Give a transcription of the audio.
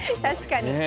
確かに。